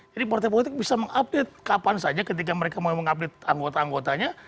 jadi partai politik bisa mengupdate kapan saja ketika mereka mau mengupdate anggota politik